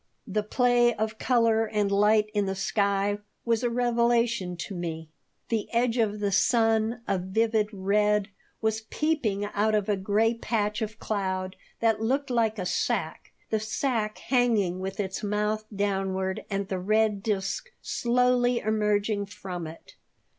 The play of color and light in the sky was a revelation to me. The edge of the sun, a vivid red, was peeping out of a gray patch of cloud that looked like a sack, the sack hanging with its mouth downward and the red disk slowly emerging from it.